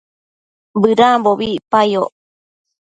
bëdambobi icpayoc